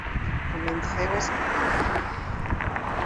Convenceu a Escribá.